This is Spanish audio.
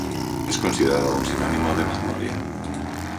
Es considerado un sinónimo de "Magnolia"